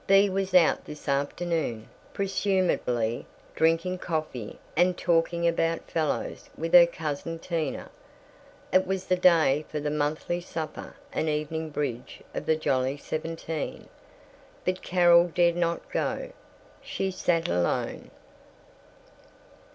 Bea was out this afternoon presumably drinking coffee and talking about "fellows" with her cousin Tina. It was the day for the monthly supper and evening bridge of the Jolly Seventeen, but Carol dared not go. She sat alone.